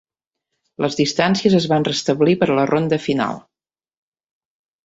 Les distàncies es van restablir per a la ronda final.